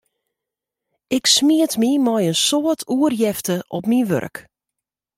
Ik smiet my mei in soad oerjefte op myn wurk.